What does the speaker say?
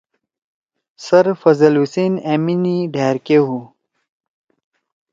سر فضل حسین أمیِنی ڈھأر کے ہُو